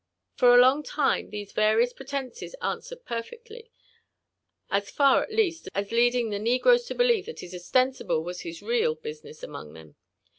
For a long time these various pretences answered p€diQotly, ^««as far, at least, as leading the negroes to believe that his ostensible was his real business among them.